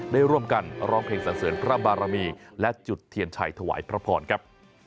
ได้ร่วมกันร้องเพลงสันเสริญพระบารมีและจุดเทียนชัยถวายพระพรครับ